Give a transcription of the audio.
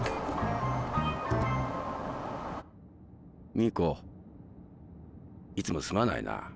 ミイコいつもすまないな。